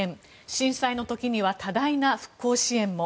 震災の時には多大な復興支援も。